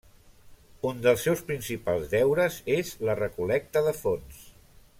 Un dels seus principals deures és la recol·lecta de fons.